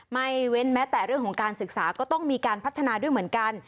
ไม่เว้นแม้แต่เรื่องของการศึกษาก็ต้องมีการพัฒนาด้วยเหมือนกัน